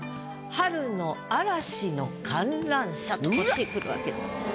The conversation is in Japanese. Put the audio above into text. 「春の嵐の観覧車」とこっちへくるわけです。